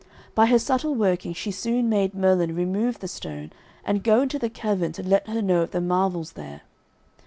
By her subtle working she soon made Merlin remove the stone and go into the cavern to let her know of the marvels there.